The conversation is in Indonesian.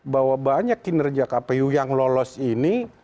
bahwa banyak kinerja kpu yang lolos ini